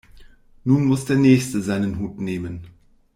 Nun muss der Nächste seinen Hut nehmen.